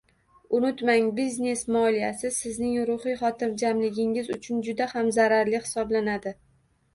Unutmang, biznes moliyasi sizning ruhiy xotirjamligingiz uchun juda ham zararli hisoblanadi.